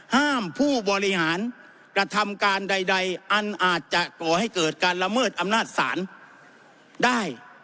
ผู้บริหารกระทำการใดอันอาจจะก่อให้เกิดการละเมิดอำนาจศาลได้